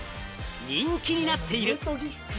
人気になっている。